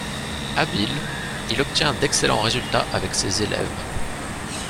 Habile, il obtient d’excellents résultats avec ses élèves.